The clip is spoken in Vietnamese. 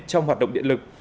trong hoạt động điện lực